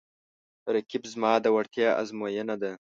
رقیب زما د وړتیا ازموینه ده